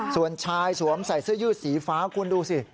ส่วนชายสวมใส่เสื้อยืดสีฟ้าคุณดูสิ